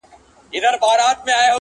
په دې ښار کي زه حاکم یمه سلطان یم,